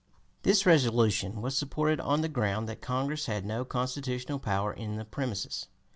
This resolution was supported on the ground that (p. 249) Congress had no constitutional power in the premises.